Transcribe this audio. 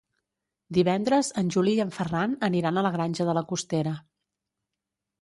Divendres en Juli i en Ferran aniran a la Granja de la Costera.